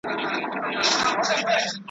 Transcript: او ځیني یې د ناروغیو ښکار سي